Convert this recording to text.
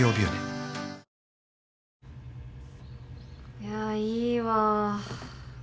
いやいいわぁ。